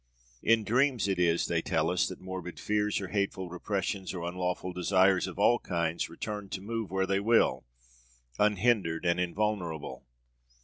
In dreams it is, they tell us, that morbid fears or hateful repressions or unlawful desires of all kinds return to move where they will, unhindered and invulnerable.